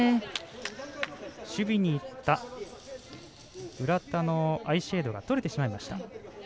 守備にいった浦田のアイシェードが取れてしまいました。